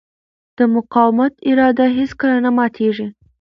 د مقاومت اراده هېڅکله نه ماتېږي.